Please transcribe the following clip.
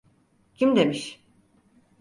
Kim demiş?